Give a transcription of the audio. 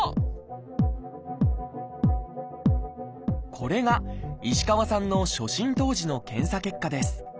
これが石川さんの初診当時の検査結果です。